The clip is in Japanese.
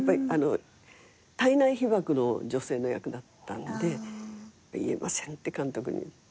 胎内被爆の女性の役だったんで言えませんって監督に言って。